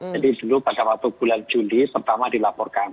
jadi dulu pada waktu bulan juli pertama dilaporkan